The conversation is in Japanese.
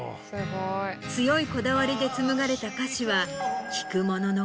強いこだわりで紡がれた歌詞は聴く者の。